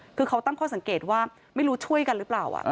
คือเขาตั้งข้อสังเกตว่าไม่รู้ช่วยกันหรือเปล่า